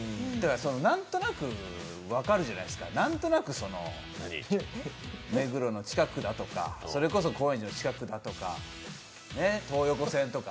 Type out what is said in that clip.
何となく分かるじゃないすか、何となく目黒の近くだとかそれこそ高円寺の近くだとか、ねっ東横線とか。